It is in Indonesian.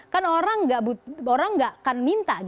kan orang nggak akan minta